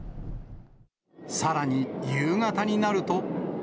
さらに、夕方になると。